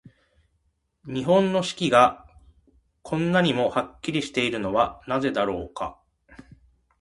日本の四季が、こんなにもはっきりしているのはなぜだろうか。